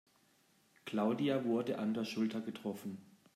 Claudia wurde an der Schulter getroffen.